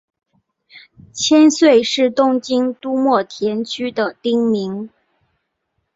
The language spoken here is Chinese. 千岁是东京都墨田区的町名。